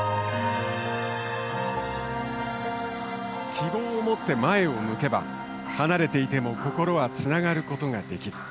希望を持って前を向けば離れていても心はつながることができる。